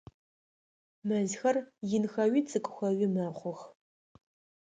Мэзхэр инхэуи цӏыкӏухэуи мэхъух.